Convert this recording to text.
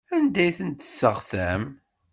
Anda ay ten-tesseɣtam?